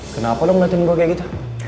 kenapa lo ngeliatin gua kayak gitu